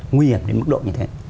nguy hiểm đến mức độ như thế